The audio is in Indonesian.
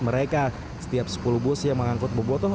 mereka setiap sepuluh bus yang mengangkut bobotoh